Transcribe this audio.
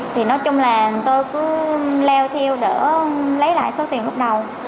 thì nói chung là tôi cứ leo theo để lấy lại số tiền bước đầu